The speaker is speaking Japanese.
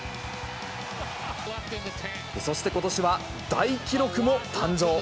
そして、ことしは大記録も誕生。